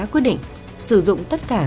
quyết định sử dụng tất cả